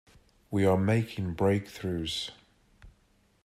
We are making breakthroughs.